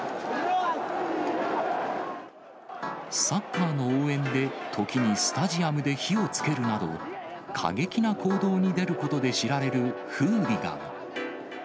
サッカーの応援で、時にスタジアムで火をつけるなど、過激な行動に出ることで知られるフーリガン。